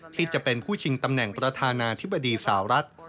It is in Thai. ที่จะเป็นผู้ชิงตำแหน่งประธานาธิบดีสาวรัฐ